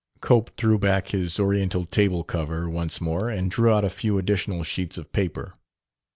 Cope threw back his Oriental table cover once more and drew out a few additional sheets of paper.